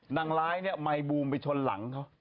นางร้ายเนี่ยไมค์บูมไปชนหลังเขา